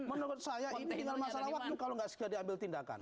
menurut saya ini tinggal masalah waktu kalau tidak segera diambil tindakan